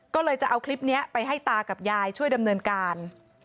ก็เลยจะเอาคลิปนี้ไปให้ตากับยายช่วยดำเนินการ